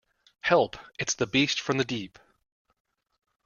Help! It's the beast from the deep.